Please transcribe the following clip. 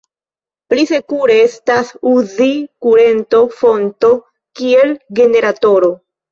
Pli sekure estas uzi kurento-fonto kiel generatoro.